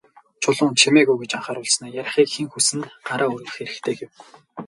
Чулуун «Чимээгүй» гэж анхааруулснаа "Ярихыг хэн хүснэ, гараа өргөх хэрэгтэй" гэв.